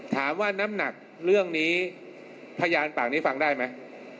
น้ำหนักเรื่องนี้พยานปากนี้ฟังได้ไหม